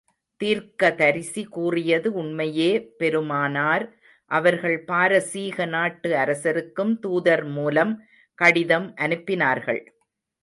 தீர்க்கதரிசி கூறியது உண்மையே பெருமானார் அவர்கள் பாரசீக நாட்டு அரசருக்கும், தூதர் மூலம் கடிதம் அனுப்பினார்கள்.